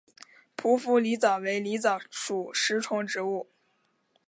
匍匐狸藻为狸藻属食虫植物。